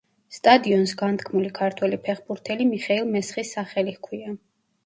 სტადიონს განთქმული ქართველი ფეხბურთელი მიხეილ მესხის სახელი ჰქვია.